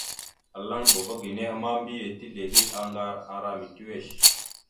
Alaŋbava ge nehe ka mbiyez tezligeɗ aŋgar ara mitiʉwesh.